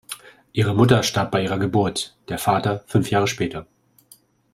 Ihre Mutter starb bei ihrer Geburt, der Vater fünf Jahre später.